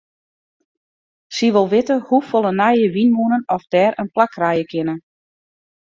Sy wol witte hoefolle nije wynmûnen oft dêr in plak krije kinne.